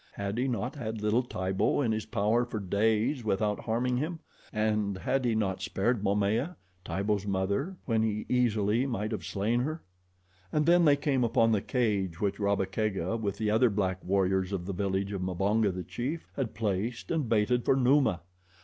Had he not had little Tibo in his power for days without harming him, and had he not spared Momaya, Tibo's mother, when he easily might have slain her? And then they came upon the cage which Rabba Kega, with the other black warriors of the village of Mbonga, the chief, had placed and baited for Numa.